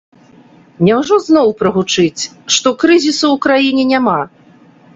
Няўжо зноў прагучыць, што крызісу ў краіне няма?